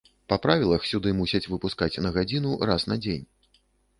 Па правілах, сюды мусяць выпускаць на гадзіну раз на дзень.